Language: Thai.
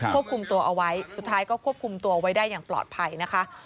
ควบคุมตัวเอาไว้สุดท้ายก็ควบคุมตัวไว้ได้อย่างปลอดภัยนะคะ